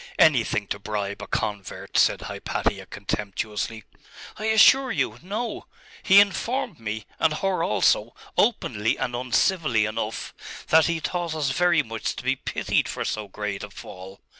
'Anything to bribe a convert,' said Hypatia contemptuously. 'I assure you, no. He informed me, and her also, openly and uncivilly enough, that he thought us very much to be pitied for so great a fall....